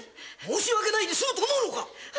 申し訳ないで済むと思うのか！？